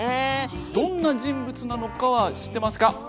どんな人物なのかは知っていますか？